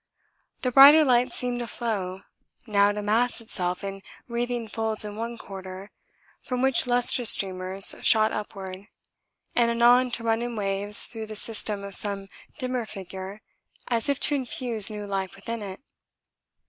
The brighter light seemed to flow, now to mass itself in wreathing folds in one quarter, from which lustrous streamers shot upward, and anon to run in waves through the system of some dimmer figure as if to infuse new life within it.